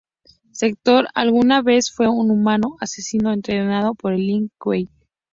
Sektor alguna vez fue un humano, asesino entrenado por el Lin Kuei.